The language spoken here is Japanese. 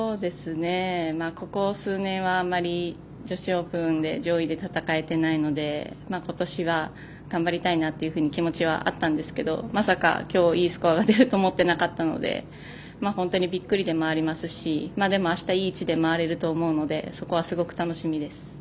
ここ数年は女子オープンの上位で戦えていないので今年は頑張りたいなって気持ちはあったんですがまさか今日いいスコアが出るとは思ってなかったので本当にびっくりでもありますしあした、いい位置で回れると思うのでそこはすごく楽しみです。